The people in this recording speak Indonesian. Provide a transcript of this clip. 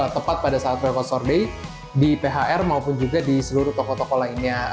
tepat pada saat travel day di phr maupun juga di seluruh toko toko lainnya